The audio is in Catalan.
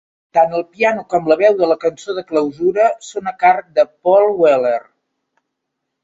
Tant el piano com la veu de la cançó de clausura són a càrrec de Paul Weller.